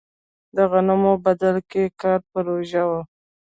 د غنمو بدل کې کار پروژه وه.